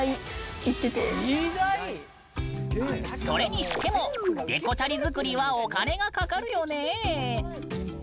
それにしてもデコチャリ作りはお金がかかるよね。